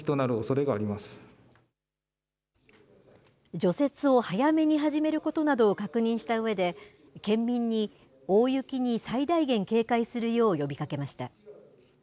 除雪を早めに始めることなどを確認したうえで、県民に、大雪に最大限警戒するよう呼びかけました。